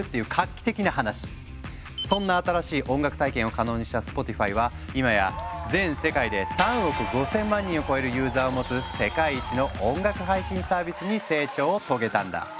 そんな新しい音楽体験を可能にしたスポティファイは今や全世界で３億５，０００万人を超えるユーザーを持つ世界一の音楽配信サービスに成長を遂げたんだ。